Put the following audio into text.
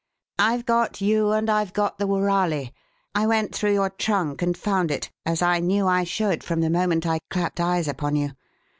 "I've got you and I've got the woorali. I went through your trunk and found it as I knew I should from the moment I clapped eyes upon you.